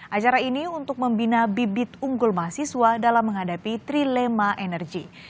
acara ini untuk membina bibit unggul mahasiswa dalam menghadapi trilema energi